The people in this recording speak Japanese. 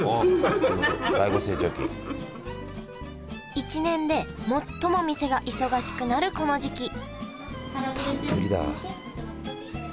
１年で最も店が忙しくなるこの時期たっぷりだ。